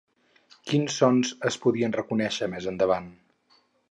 Quins sons es podien reconèixer, més endavant?